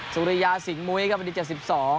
สุริยาสิงหมุยครับวันที่๗๒